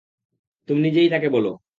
তুমি নিজেই তাকে বলো।